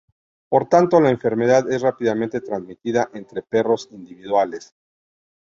Por tanto, la enfermedad es rápidamente transmitida entre perros individuales.